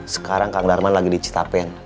sekarang kang darman lagi di citapen